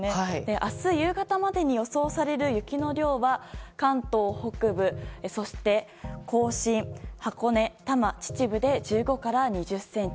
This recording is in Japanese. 明日夕方までに予想される雪の量は関東北部そして甲信箱根、多摩、秩父で１５から２０ｃｍ。